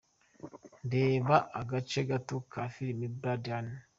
Reba agace gato ka film Blood Honey.